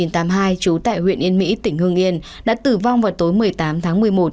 trú tại huyện yên mỹ tỉnh hương yên đã tử vong vào tối một mươi tám tháng một mươi một